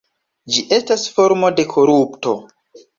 Ĝi estas formo de korupto.